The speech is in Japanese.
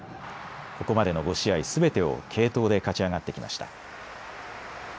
ここまでの５試合すべてを継投で勝ち上がってきました。